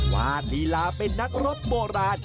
ว่าลีลาเป็นนักรบโบราณ